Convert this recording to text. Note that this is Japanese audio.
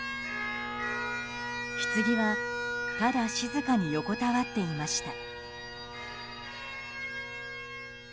ひつぎは、ただ静かに横たわっていました。